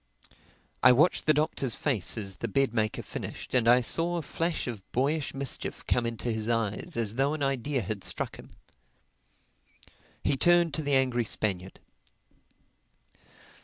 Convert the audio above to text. I watched the Doctor's face as the bed maker finished, and I saw a flash of boyish mischief come into his eyes as though an idea had struck him. He turned to the angry Spaniard.